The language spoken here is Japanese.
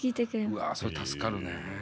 うわそれ助かるね。